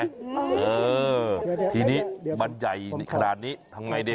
เออทีนี้มันใหญ่ขนาดนี้ทำไงดี